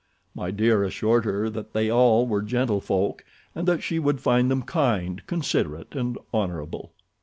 My Dear assured her that they all were gentle folk and that she would find them kind, considerate and honorable.